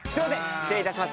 失礼いたしました。